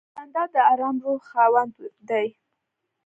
جانداد د آرام روح خاوند دی.